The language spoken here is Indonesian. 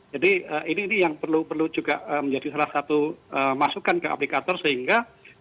jadi ini yang perlu juga menjadi salah satu masukan ke aplikator sehingga